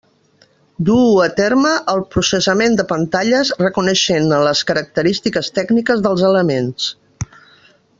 Duu a terme el processament de pantalles, reconeixent-ne les característiques tècniques dels elements.